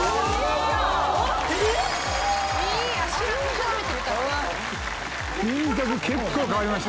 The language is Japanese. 初めて見た。